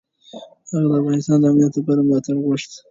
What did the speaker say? هغه د افغانستان د امنیت لپاره ملاتړ غوښت.